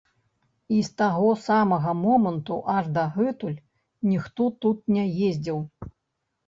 І з таго самага моманту аж дагэтуль ніхто тут не ездзіў.